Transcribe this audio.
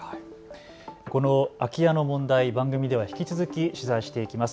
この空き家の問題、番組では引き続き取材していきます。